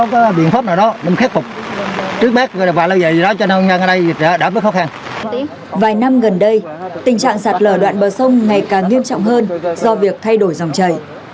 vài năm gần đây tình trạng sạt lở đoạn bờ sông ngày càng nghiêm trọng hơn do việc thay đổi dòng chảy